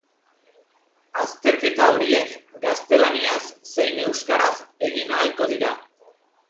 Azterketa horiek gaztelaniaz zein euskaraz egin ahalko dira.